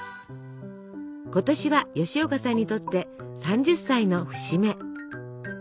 今年は吉岡さんにとって３０歳の節目。